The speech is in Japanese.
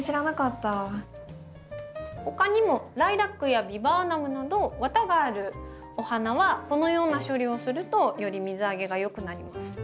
ほかにもライラックやビバーナムなどワタがあるお花はこのような処理をするとより水あげがよくなります。